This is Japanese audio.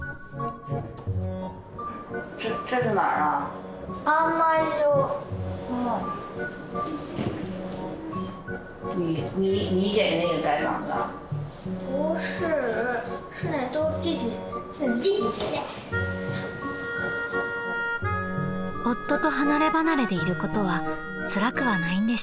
［夫と離ればなれでいることはつらくはないんでしょうか？］